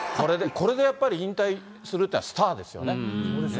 これでやっぱり引退するっていうのはスターですよね。